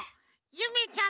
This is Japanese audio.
ゆめちゃん！